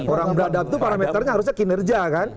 orang beradab itu parameternya harusnya kinerja kan